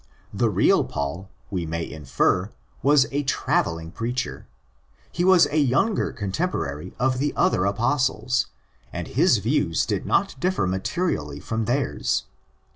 The real Paul, we may infer, was a travelling preacher. He was a younger contemporary of the other Apostles, and his views did not differ materially from theirs.